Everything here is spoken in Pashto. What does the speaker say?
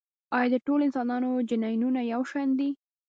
ایا د ټولو انسانانو جینونه یو شان دي؟